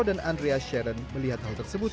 dan andrea sharon melihat hal tersebut